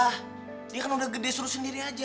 wah dia kan udah gede suruh sendiri aja